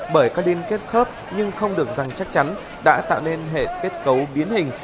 bởi các liên kết khớp nhưng không được rằng chắc chắn đã tạo nên hệ kết cấu biến hình